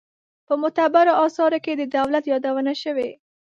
په معتبرو آثارو کې د دولت یادونه شوې.